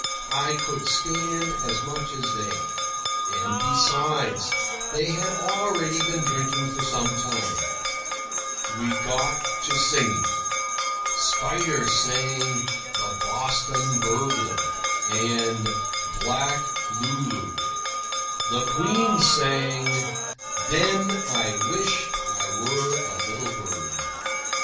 I could stand as much as they; and besides, they had already been drinking for some time. We got to singing. Spider sang "The Boston Burglar" and "Black Lulu." The Queen sang "Then I Wisht I Were a Little Bird."